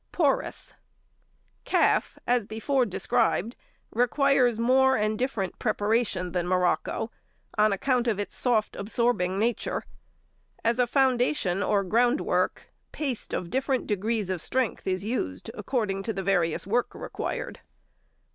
Porous.—Calf, as before described, requires more and |136| different preparation than morocco, on account of its soft and absorbing nature. As a foundation or groundwork, paste of different degrees of strength is used, according to the various work required.